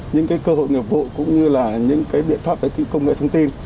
những cơ hội nghiệp vội cũng như là những biện pháp công nghệ thông tin